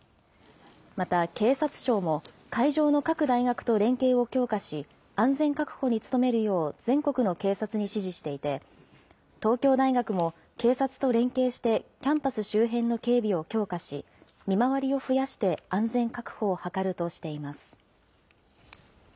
また警察庁も会場の各大学と連携を強化し、安全確保に努めるよう、全国の警察に指示していて、東京大学も、警察と連携してキャンパス周辺の警備を強化し、見回りを増やして安全確保を図るとしています。